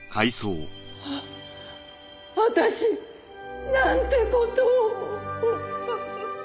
あ私なんて事を。